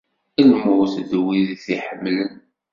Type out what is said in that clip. Lmut n wid i t-iḥemmlen.